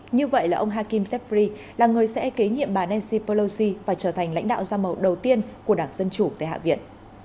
như vậy là ông hakim zefri là người sẽ kế nhiệm bà nancy pelosi và trở thành lãnh đạo ra mẫu đầu tiên của đảng dân chủ tại hạ viện